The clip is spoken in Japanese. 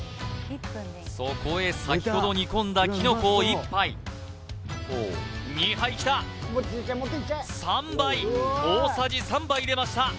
そこへさきほど煮込んだきのこを１杯２杯きた３杯大さじ３杯入れました